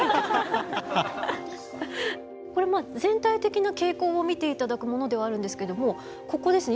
これ全体的な傾向を見ていただくものではあるんですけどもここですね